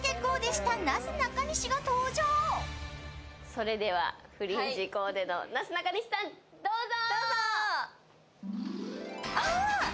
それではフリンジコーデのなすなかにしさん、どうぞ！